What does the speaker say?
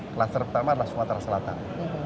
kluster pertama adalah sumatera selatan